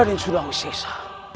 raden surawi sesa